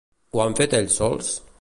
Ho han fet ells sols?